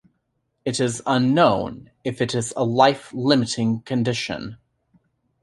It is unknown if it is a life-limiting condition.